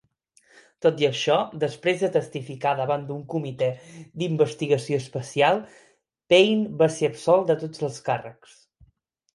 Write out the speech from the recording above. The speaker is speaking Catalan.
Tot i això, després de testificar davant d'un comitè d'investigació especial, Payne va ser absolt de tots els càrrecs.